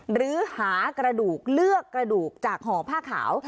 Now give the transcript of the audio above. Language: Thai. หรือหากระดูกเลือกกระดูกจากห่อผ้าขาว